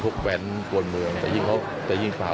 แว้นกวนเมืองแต่ยิ่งเขาจะยิ่งเปล่า